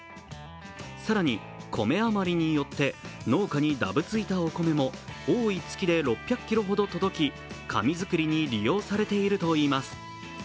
更にコメ余りによって農家にだぶついたお米も多い月で６００ｋｇほど届き、紙作りに利用されているといいます。